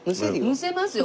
むせますよ